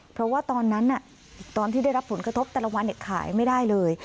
เพราะว่าตอนนั้นตอนที่ได้รับผลกระทบแต่ละวันขายไม่ได้เลย